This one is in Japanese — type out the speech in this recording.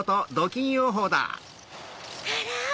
あら？